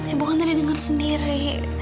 ibu kan tadi denger sendiri